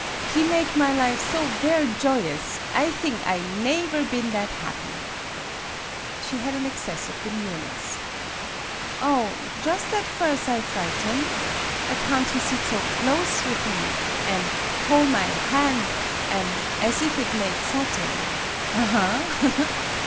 " He make my life so ver' joyous, I thing I naever been that happy." She had an access of demureness. "Oh, jus' at firs' I frighten'; account he sit so close with me an' hoi' my han' an' as' if it made satin.